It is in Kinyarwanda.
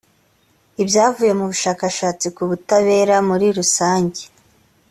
ibyavuye mu bushakashatsi ku butabera muri rusange